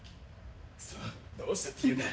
クソどうしたっていうんだ。